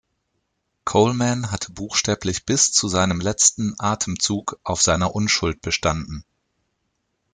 Coleman hatte buchstäblich bis zu seinem letzten Atemzug auf seiner Unschuld bestanden.